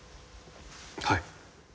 はい。